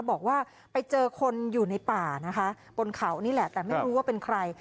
บอกว่าไปเจอคนอยู่ในป่านะคะบนเขานี่แหละแต่ไม่รู้ว่าเป็นใคร